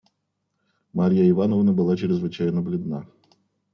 Марья Ивановна была чрезвычайно бледна.